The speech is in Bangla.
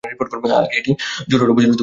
আগে এটি যোরহাট জেলার একটা মহকুমা ছিল।